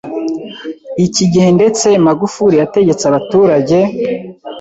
iki gihe ndetse Magufuli yategetse abaturage